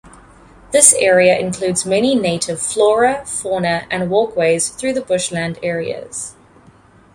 The area includes many native flora, fauna and walkways through the bushland areas.